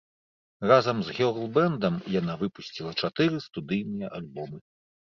Разам з гёрл-бэндам яна выпусціла чатыры студыйныя альбомы.